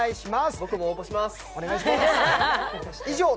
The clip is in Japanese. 僕も応募します！